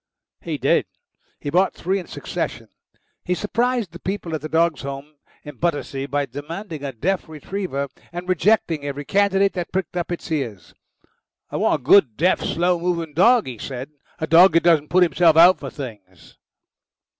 He did. He bought three in succession. He surprised the people at the Dogs' Home in Battersea by demanding a deaf retriever, and rejecting every candidate that pricked up its ears. "I want a good, deaf, slow moving dog," he said. "A dog that doesn't put himself out for things."